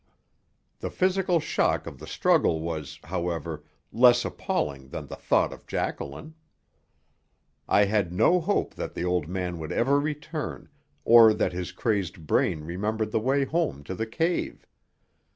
The physical shock of the struggle was, however, less appalling than the thought of Jacqueline. I had no hope that the old man would ever return, or that his crazed brain remembered the way home to the cave.